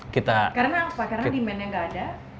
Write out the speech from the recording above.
karena apa karena demand nya nggak ada